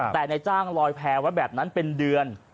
แต่ในจ้างลอยแพงว่าแบบนั้นเป็นเดือน